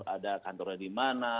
ada kantornya di mana